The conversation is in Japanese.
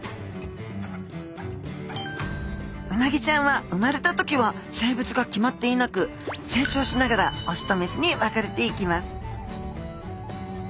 うなぎちゃんは生まれた時は性別が決まっていなく成長しながら雄と雌に分かれていきます